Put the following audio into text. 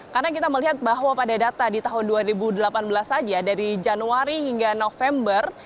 karena kita melihat bahwa pada data di tahun dua ribu delapan belas saja dari januari hingga november